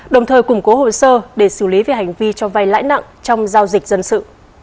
đồng thời củng cố hồ sơ để xử lý về hành vi cho vay lãi nặng trong giao dịch dân sự